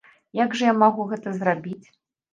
Як жа я магу гэта зрабіць?